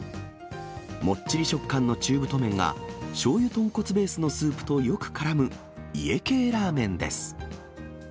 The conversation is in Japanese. もっちり食感の中太麺が、しょうゆ豚骨ベースのスープとよくからむ、家系ラーメンです。